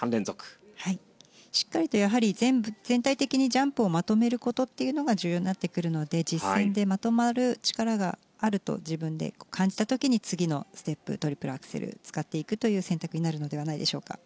しっかりと全体的にジャンプをまとめることというのが重要になってくるので実戦でまとまる力があると自分で感じた時に次のステップトリプルアクセルを使っていくという選択になるのではないでしょうか。